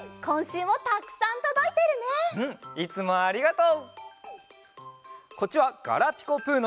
どうもありがとう！